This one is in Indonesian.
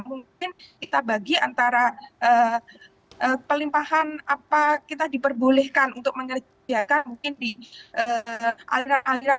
mungkin kita bagi antara pelimpahan apa kita diperbolehkan untuk mengerjakan mungkin di aliran aliran